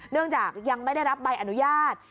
เนื่องจากยังไม่ได้รับใบอนุญาต